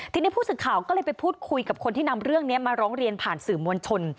ทีนี้ผู้สื่อข่าวก็เลยไปพูดคุยกับคนที่นำเรื่องนี้มาร้องเรียนผ่านสื่อมวลชน